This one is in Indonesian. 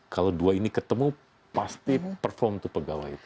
kalau dua ini ketemu pasti perform to pegawai